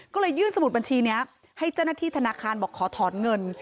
ก็เลยยื่นสมุดบัญชีนี้ให้เจ้าหน้าที่ธนาคารบอกขอถอนเงิน